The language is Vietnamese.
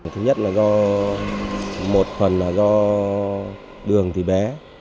thứ nhất là do một phần là do đường thì bé